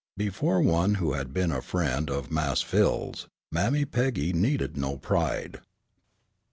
Before one who had been a friend of "Mas' Phil's," Mammy Peggy needed no pride.